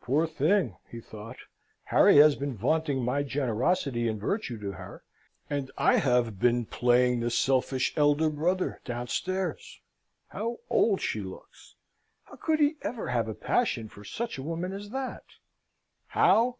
"Poor thing!" he thought. "Harry has been vaunting my generosity and virtue to her, and I have beer, playing the selfish elder brother downstairs! How old she looks! How could he ever have a passion for such a woman as that?" How?